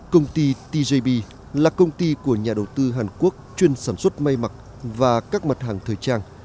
công ty tjb là công ty của nhà đầu tư hàn quốc chuyên sản xuất mây mặt và các mặt hàng thời trang